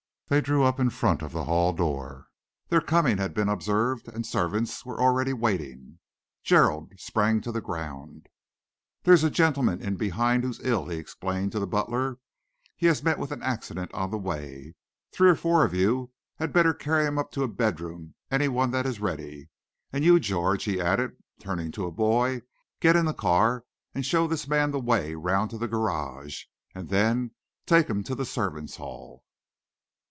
They drew up in front of the hall door. Their coming had been observed, and servants were already waiting. Gerald sprang to the ground. "There's a gentleman in behind who's ill," he explained to the butler. "He has met with an accident on the way. Three or four of you had better carry him up to a bedroom any one that is ready. And you, George," he added, turning to a boy, "get into the car and show this man the way round to the garage, and then take him to the servants' hall."